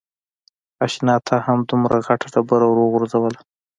اشنا تا هم دومره غټه ډبره ور و غورځوله.